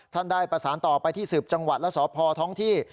ได้ประสานต่อไปที่สืบจังหวัดและสพท้องที่